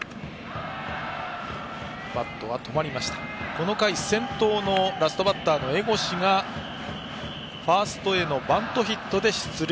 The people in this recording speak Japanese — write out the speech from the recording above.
この回、先頭のラストバッターの江越がファーストへのバントヒットで出塁。